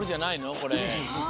これ。